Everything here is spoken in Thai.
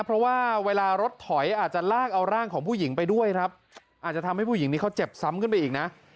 เพราะว่าเวลารถถอยอาจจะลากเอาร่างของผู้หญิงไปด้วยครับอาจจะทำให้ผู้หญิงนี้เขาเจ็บซ้ำขึ้นไปอีกนะ